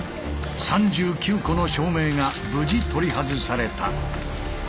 ３９個の照明が無事取り外された。